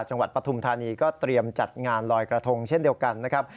ปฐุมธานีก็เตรียมจัดงานลอยกระทงเช่นเดียวกันนะครับ